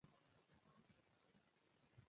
باور د صداقت په رڼا روښانه کېږي.